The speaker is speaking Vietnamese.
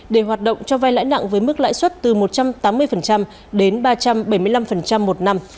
để hoạt động cho vai lãi nặng với mức lãi suất từ một trăm tám mươi đến ba trăm bảy mươi năm một năm